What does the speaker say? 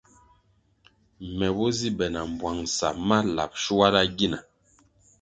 Me bo zi be na bwangʼsa ma lab shuala gina.